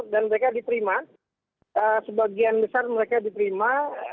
dan mereka diterima sebagian besar mereka diterima